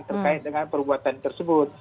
terkait dengan perbuatan tersebut